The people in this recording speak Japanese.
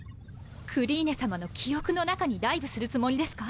クリーネさまの記憶の中にダイブするつもりですか？